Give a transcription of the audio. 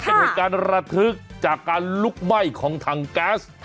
เป็นเหตุการณ์ระทึกจากการลุกไหม้ของถังแก๊ส